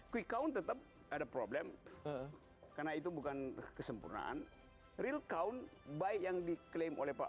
quick count tetap ada problem karena itu bukan kesempurnaan real count baik yang diklaim oleh pak